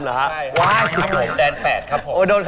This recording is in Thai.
ถอดแว่นออก